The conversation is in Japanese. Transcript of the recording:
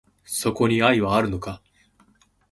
そこに愛はあるのか